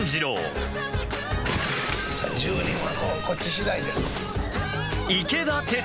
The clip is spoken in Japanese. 「１０人はこうこっち次第で」。